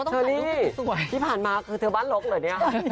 เชอรี่ที่ผ่านมาคือเธอบ้านลกเหรอเนี่ย